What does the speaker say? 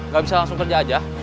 gak bisa langsung kerja aja